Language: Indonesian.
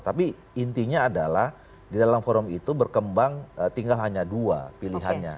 tapi intinya adalah di dalam forum itu berkembang tinggal hanya dua pilihannya